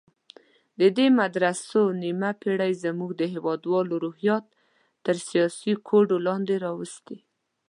دې مدرسو نیمه پېړۍ زموږ د هېوادوالو روحیات تر سیاسي کوډو لاندې راوستي.